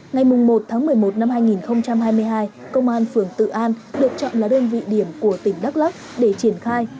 ngày một tháng một mươi một năm hai nghìn hai mươi hai công an phường tự an được chọn là đơn vị điểm của tỉnh đắk lắc để triển khai